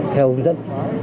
theo hướng dẫn